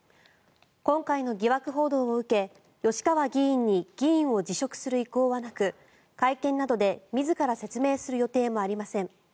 今回の疑惑報道を受け吉川議員に議員を辞職する意向はなく会見などで自ら説明する予定もありません。